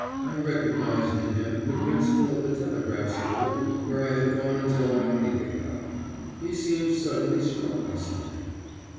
I recognized in him the principal of the telegraph school where I had gone until my money gave out. He seemed suddenly struck by something.